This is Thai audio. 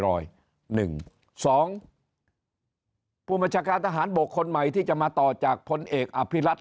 ผู้บัญชาการทหารบกคนใหม่ที่จะมาต่อจากพลเอกอภิรัต